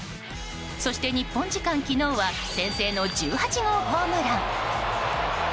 そして、日本時間昨日は先制の１８号ホームラン。